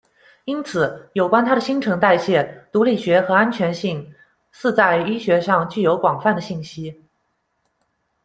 因此，有关它的新陈代谢，毒理学和安全性巳在医学上具有广泛的信息。